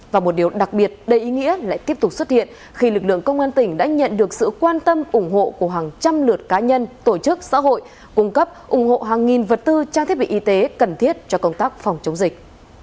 và một điều đặc biệt đầy ý nghĩa lại tiếp tục xuất hiện khi lực lượng công an tỉnh đã nhận được sự quan tâm ủng hộ của hàng trăm lượt cá nhân tổ chức xã hội cung cấp ủng hộ hàng nghìn vật tư trang thiết bị y tế cần thiết cho công tác phòng chống dịch